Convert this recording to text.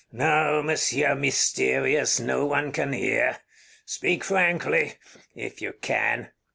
No, Monsieur Mysterious, no one can hear! Speak frankly if you can.